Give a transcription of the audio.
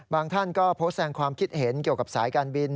ท่านก็โพสต์แสงความคิดเห็นเกี่ยวกับสายการบิน